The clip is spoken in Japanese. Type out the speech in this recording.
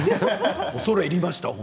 恐れ入りました。